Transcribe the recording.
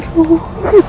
suara apa itu